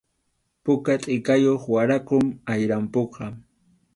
Puka tʼikayuq waraqum ayrampuqa.